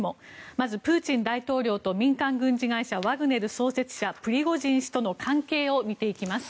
まずプーチン大統領と民間軍事会社ワグネル創設者プリゴジン氏との関係を見ていきます。